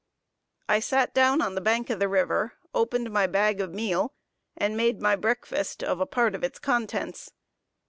I sat down on the bank of the river, opened my bag of meal, and made my breakfast of a part of its contents.